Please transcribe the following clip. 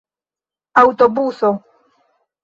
aŭtobuso